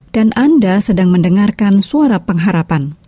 dan anda sedang mendengarkan suara pengharapan